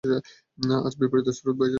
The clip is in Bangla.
আজ বিপরীত স্রোত বইছে ভেতরে ।